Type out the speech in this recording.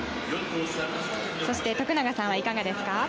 徳永さんはいかがですか？